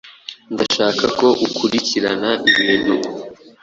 Ndashaka ko ukurikirana ibintu.